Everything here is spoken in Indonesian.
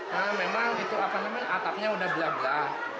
sekarang atapnya sudah belah belah